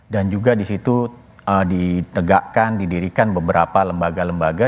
dan juga di situ ditegakkan didirikan beberapa lembaga lembaga